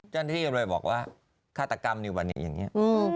จนที่กันเลยบอกว่าฆาตกรรมในวันนี้อย่างเงี้ย